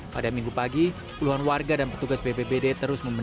pada minggu pagi puluhan warga dan petugas bbbd terus memperbaiki